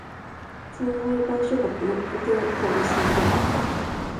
損害賠償額の予定等の制限